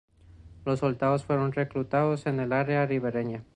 Los soldados fueron reclutados en el área ribereña.